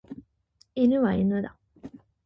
犬は犬だ。